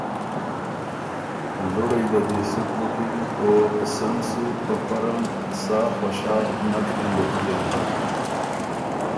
لُوړئ ده دی سُک بُکِن او سن سُو سۀ په پۀ رنګ ساخوشال نک هېنئک يېن،